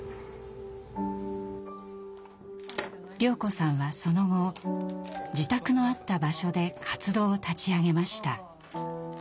綾子さんはその後自宅のあった場所で活動を立ち上げました。